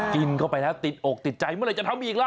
กินเข้าไปแล้วติดอกติดใจเมื่อไหร่จะทำอีกล่ะ